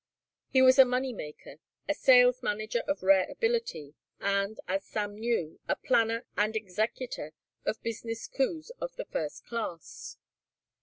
He was a money maker, a sales manager of rare ability, and, as Sam knew, a planner and executor of business coups of the first class.